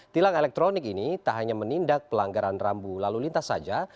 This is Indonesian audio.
tilang elektronik ini tak hanya menindak pelanggaran rambu lalu lintas saja